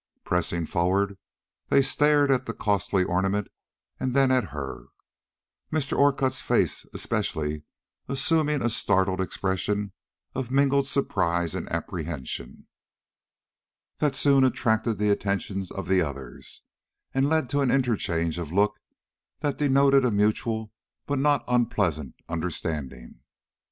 Pressing forward, they stared at the costly ornament and then at her, Mr. Orcutt's face especially assuming a startled expression of mingled surprise and apprehension, that soon attracted the attention of the others, and led to an interchange of looks that denoted a mutual but not unpleasant understanding.